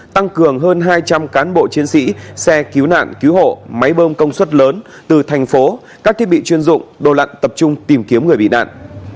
tăng cường hơn hai trăm linh cán bộ chiến sĩ xe cứu nạn cứu hộ máy bơm công suất lớn từ thành phố các thiết bị chuyên dụng đồ lặn tập trung tìm kiếm người bị nạn